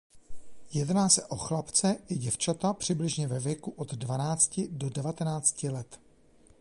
Jedná se o chlapce i děvčata přibližně ve věku od dvanácti do devatenácti let.